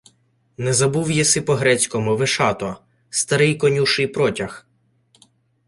— Не забув єси по-грецькому, Вишато? Старий конюший протяг: